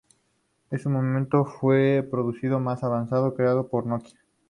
En su momento, fue el producto más avanzado creado por Nokia.